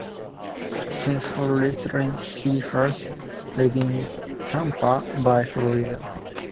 Since her retirement, she has lived in Tampa Bay, Florida.